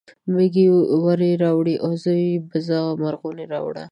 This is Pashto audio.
مېږه وری راوړي اوزه یا بزه مرغونی راوړي